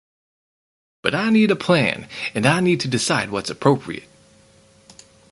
But I need a plan, and I need to decide what’s appropriate.